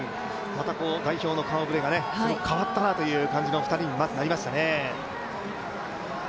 代表の顔ぶれが変わったなという感じの２人になりましたね。